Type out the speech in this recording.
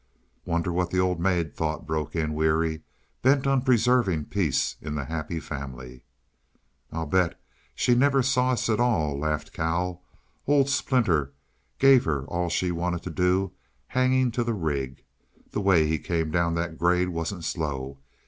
"Wonder what the old maid thought," broke in Weary, bent on preserving peace in the Happy Family. "I'll bet she never saw us at all!" laughed Cal. "Old Splinter gave her all she wanted to do, hanging to the rig. The way he came down that grade wasn't slow.